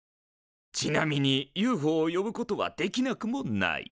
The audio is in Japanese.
ちなみにＵＦＯを呼ぶことはできなくもない。